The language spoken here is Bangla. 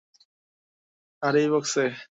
আর ওই বক্সে?